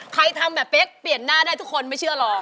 ทำแบบเป๊กเปลี่ยนหน้าได้ทุกคนไม่เชื่อหรอก